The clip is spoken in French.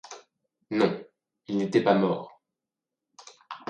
Non, il n'était pas mort.